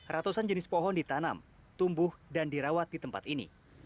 ratusan jenis pohon ditanam tumbuh dan dirawat di tempat ini